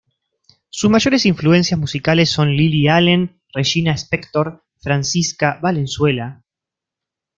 Sus mayores influencias musicales son Lily Allen, Regina Spektor, Francisca Valenzuela